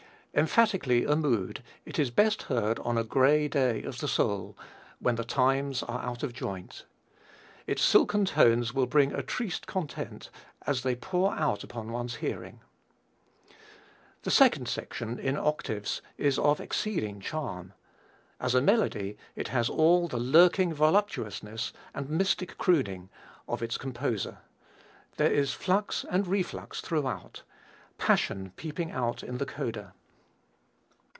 Emphatically a mood, it is best heard on a gray day of the soul, when the times are out of joint; its silken tones will bring a triste content as they pour out upon one's hearing. The second section in octaves is of exceeding charm. As a melody it has all the lurking voluptuousness and mystic crooning of its composer. There is flux and reflux throughout, passion peeping out in the coda.